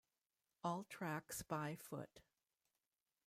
All tracks by foot.